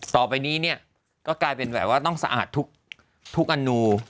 ต่อไปนี้เนี่ยก็กลายเป็นแบบว่าต้องสะอาดทุกอนู